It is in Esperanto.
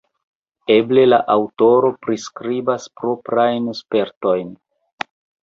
Eble la aŭtoro priskribas proprajn spertojn.